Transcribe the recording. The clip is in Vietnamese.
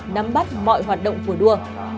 nắm bắt mọi hoạt động của đua